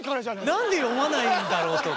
何で読まないんだろうと。